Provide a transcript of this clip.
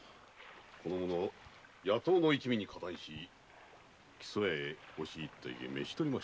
この者夜盗の一味に加担し木曽屋に押し入ったゆえ召し捕りましたぞ。